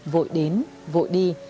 vội đến vội đi